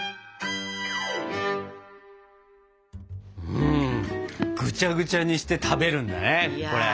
うんぐちゃぐちゃにして食べるんだねこれ。